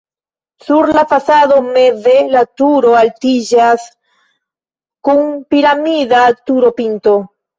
Sur la fasado meze la turo altiĝas kun piramida turopinto.